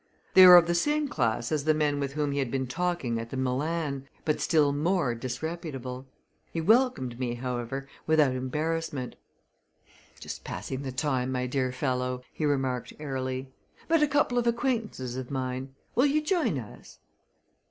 They were of the same class as the men with whom he had been talking at the Milan, but still more disreputable. He welcomed me, however, without embarrassment. "Just passing the time, my dear fellow!" he remarked airily. "Met a couple of acquaintances of mine. Will you join us?"